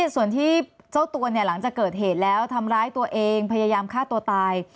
ส่วนที่เจ้าตัวเนี่ยหลังจากเกิดเหตุแล้วทำร้ายตัวเองพยายามฆ่าตัวตาย